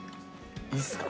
いいっすか？